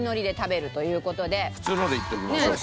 普通のでいってみましょうか。